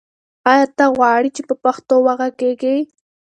آیا ته غواړې چې په پښتو وغږېږې؟